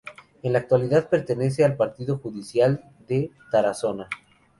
En la actualidad pertenece al partido judicial de Tarazona.